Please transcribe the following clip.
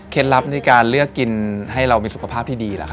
เคล็ดลับในการเลือกกินให้เรามีสุขภาพที่ดี